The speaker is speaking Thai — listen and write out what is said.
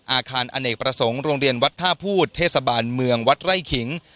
อาคารอเนกประสงค์โรงเรียนวัดท่าพูดเทศบาลเมืองวัดไร่ขิง